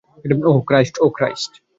ওহ, Christ.